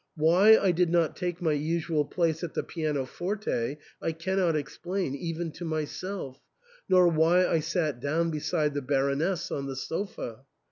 Why I did not take my usual place at the pianoforte I cannot explain, even to my self, nor why I sat down beside the Baroness on the sofa.